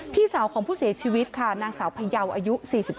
พี่สาวของผู้เสียชีวิตค่ะนางสาวพยาวอายุ๔๒